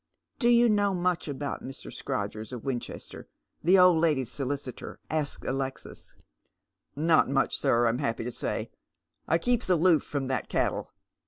" Do you know much about Mr. Scrodgers of Winchester, the old lady's solicitor ?" asks Alexis. '* Not much, sir, I'm happy to say. I keeps aloof from that cattle.